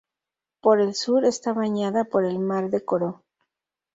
Por el sur está bañada por el mar de Koro.